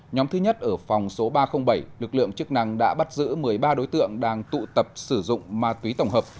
nhóm thứ nhất ở phòng số ba trăm linh bảy lực lượng chức năng đã bắt giữ một mươi ba đối tượng đang tụ tập sử dụng ma túy tổng hợp